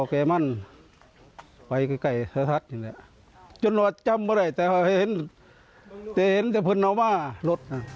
ใคร